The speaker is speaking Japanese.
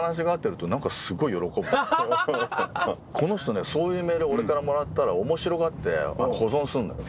この人ねそういうメール俺からもらったら面白がって保存すんのよ。